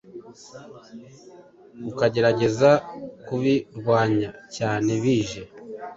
ukagerageza kubirwanya.cyane bije